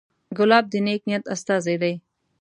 ګلاب د نیک نیت استازی دی.